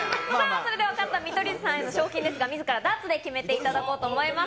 それでは勝った見取り図さんへの賞金ですが、みずからダーツで決めていただこうと思います。